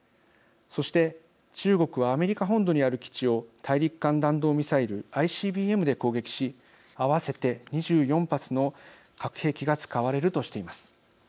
そして、中国はアメリカ本土にある基地を大陸間弾道ミサイルＩＣＢＭで攻撃し合わせて２４発の核兵器が使われるとしています。